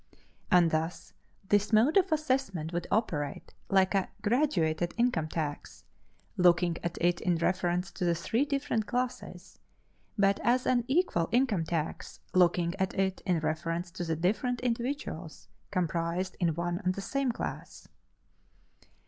And thus this mode of assessment would operate like a graduated income tax, looking at it in reference to the three different classes but as an equal income tax, looking at it in reference to the different individuals comprised in one and the same class.